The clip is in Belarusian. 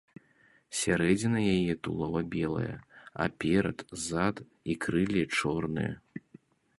Сярэдзіна яе тулава белая, а перад, зад і крылле чорныя.